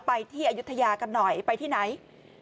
ไปที่อายุทยากันหน่อยไปที่ไหน